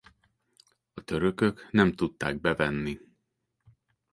A törökök nem tudták bevenni.